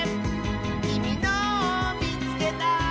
「きみのをみつけた！」